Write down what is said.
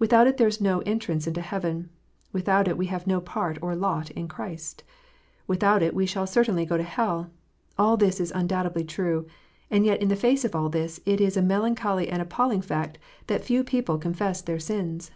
Without it there is no entrance into heaven. Without it we have no part or lot in Christ. Without it we shall certainly go to hell. All this is undoubtedly true. And yet in the face of all this, it is a melancholy and appalling fact that few people confess their sins